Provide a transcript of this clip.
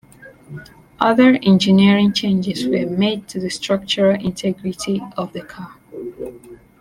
Other engineering changes were made to the structural integrity of the car.